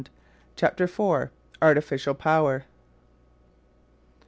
CHAPTER IV. ARTIFICIAL POWER.